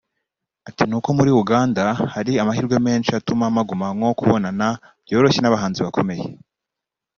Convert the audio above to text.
Ati “Ni uko muri Uganda hari amahirwe menshi atuma mpaguma nko kubonana byoroshye n’abahanzi bakomeye